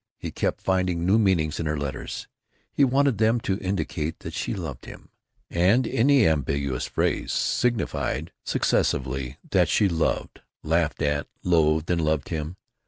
He kept finding new meanings in her letters. He wanted them to indicate that she loved him; and any ambiguous phrase signified successively that she loved, laughed at, loathed, and loved him.